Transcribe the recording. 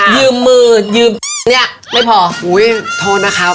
ยืมมือยืมเนี่ยไม่พออุ้ยโทษนะครับ